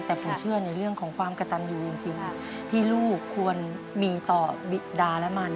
แต่ผมเชื่อในเรื่องของความกระตันอยู่จริงที่ลูกควรมีต่อบิดาและมัน